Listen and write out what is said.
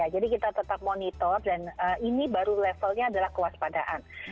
jadi kita tetap monitor dan ini baru levelnya adalah kewaspadaan